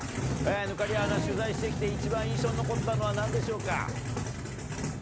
忽滑谷アナ、取材してきて一番印象に残ったのは何でしょうか？